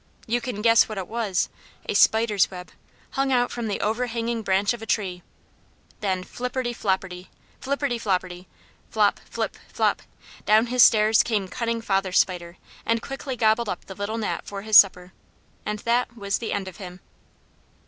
You can guess what it was a spider's web, hung out from the overhanging branch of a tree. Then flipperty flopperty, flipperty flopperty, flop, flip, flop down his stairs came cunning Father Spider and quickly gobbled up the little Gnat for his supper, and that was the end of him.